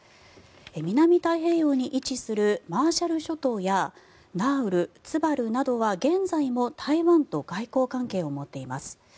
南太平洋に位置するマーシャル諸島やナウルツバルなどは、現在も台湾と外交関係を持っています。